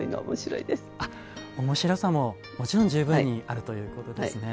面白さももちろん十分にあるということですね。